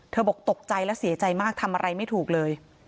บอกตกใจและเสียใจมากทำอะไรไม่ถูกเลย